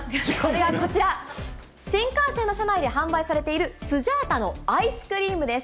ではこちら、新幹線の車内で販売されているスジャータのアイスクリームです。